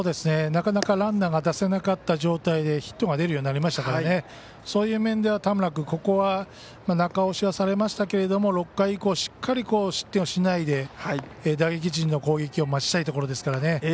なかなかランナーが出せなかった状態でヒットが出るようになりましたからそういう面では田村君ここは中押しはされましたが６回以降しっかり失点をしないで打撃陣の攻撃を待ちたいところですからね。